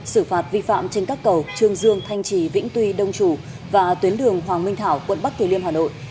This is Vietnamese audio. xử phạt vi phạm trên các cầu trương dương thanh trì vĩnh tuy đông chủ và tuyến đường hoàng minh thảo quận bắc từ liêm hà nội